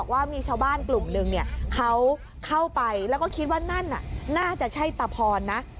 ว่ามีชาวบ้านกลุ่มหนึ่งเขาเข้าไปแล้วก็คิดว่านั่นน่าจะใช่ตาพรนะ